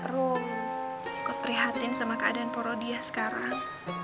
rom kok prihatin sama keadaan pak rodia sekarang